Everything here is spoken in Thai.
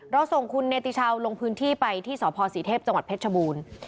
เราส่งคุณเนติชาวลงพื้นที่ไปที่สพศรีเทพจังหวัดเพชรชบูรณ์